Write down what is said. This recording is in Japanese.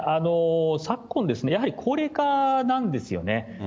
昨今、やはり高齢化なんですよね。